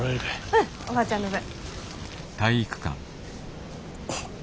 うんおばあちゃんの分。